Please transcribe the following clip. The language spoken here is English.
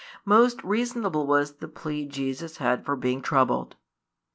Most reasonable was the plea Jesus had for being troubled.